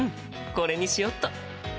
これにしよっと。